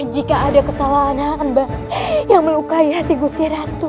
jika ada kesalahan yang melukai hati gusti ratu